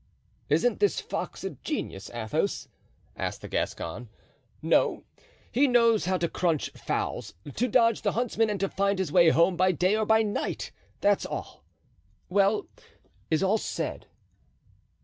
"Isn't this fox a genius, Athos?" asked the Gascon. "No! he knows how to crunch fowls, to dodge the huntsman and to find his way home by day or by night, that's all. Well, is all said?"